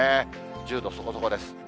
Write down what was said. １０度そこそこです。